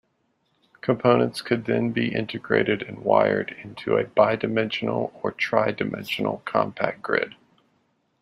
Components could then be integrated and wired into a bidimensional or tridimensional compact grid.